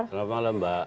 selamat malam mbak